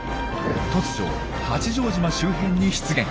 突如八丈島周辺に出現。